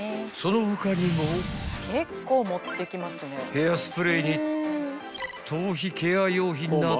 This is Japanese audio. ［ヘアスプレーに頭皮ケア用品など